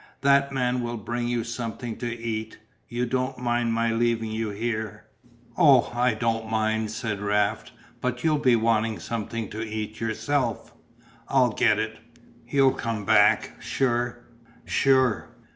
That man will bring you something to eat you don't mind my leaving you here?" "Oh, I don't mind," said Raft "but you'll be wanting something to eat yourself." "I'll get it." "You'll come back, sure?" "Sure."